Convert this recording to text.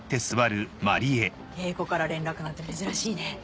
英子から連絡なんて珍しいね。